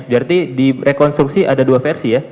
berarti di rekonstruksi ada dua versi ya